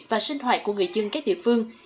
và sinh hoạt của người dân các địa phương